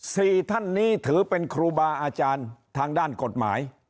สี่ท่านนี้ถือเป็นครูบาอาจารย์ทางด้านกฎหมาย